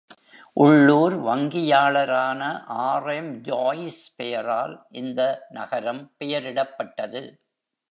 உள்ளூர் வங்கியாளரான RM. Joyce பெயரால் இந்த நகரம் பெயரிடப்பட்டது.